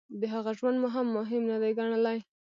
د هغه ژوند مو هم مهم نه دی ګڼلی.